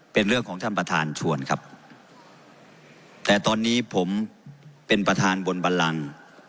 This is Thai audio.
เป็นเรื่องของท่านประธานชวนครับแต่ตอนนี้ผมเป็นประธานบนบันลัง